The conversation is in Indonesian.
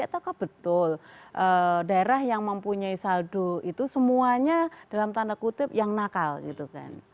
apakah betul daerah yang mempunyai saldo itu semuanya dalam tanda kutip yang nakal gitu kan